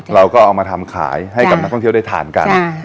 เราก็เอามาทำขายให้กับนักท่องเที่ยวได้ทานกัน